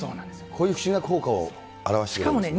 こういう不思議な効果を表しているんですね。